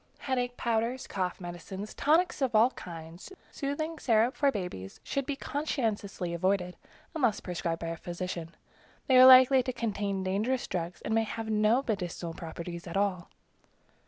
Headache powders, cough medicines, tonics of all kinds, soothing syrup for babies, should be conscientiously avoided, unless prescribed by a physician. They are likely to contain dangerous drugs, and may have no medicinal properties at all.